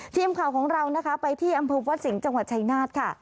ทีมข่าวของเรานะคะไปที่อำเภอวัดสิงห์จังหวัดชายนาฏค่ะ